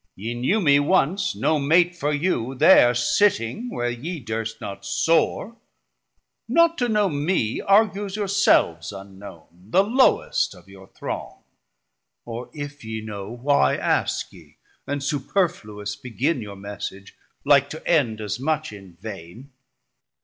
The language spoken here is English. ye knew me once no mate For you, there sitting where ye durst not soare; Not to know mee argues your selves unknown, 830 The lowest of your throng; or if ye know, Why ask ye, and superfluous begin Your message, like to end as much in vain?